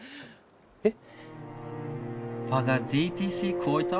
えっ？